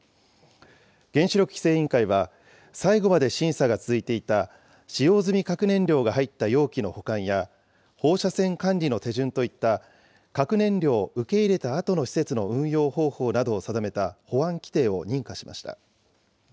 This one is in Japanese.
原子力規制委員会は、最後まで審査が続いていた使用済み核燃料が入った容器の保管や、放射線管理の手順といった核燃料を受け入れたあとの施設の運用方法などを定めた保安規定を認可しました。